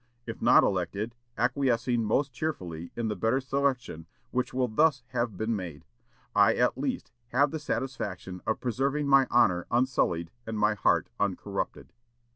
If not elected, acquiescing most cheerfully in the better selection which will thus have been made, I will at least have the satisfaction of preserving my honor unsullied and my heart uncorrupted."